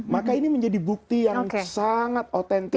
maka ini menjadi bukti yang sangat otentik